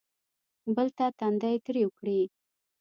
بل ته تندی تریو کړي.